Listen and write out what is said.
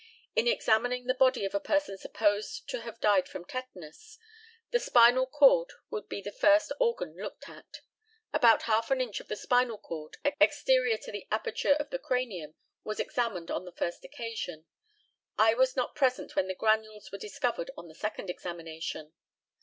In examining the body of a person supposed to have died from tetanus, the spinal cord would be the first organ looked to. About half an inch of the spinal cord, exterior to the aperture of the cranium, was examined on the first occasion. I was not present when the granules were discovered on the second examination.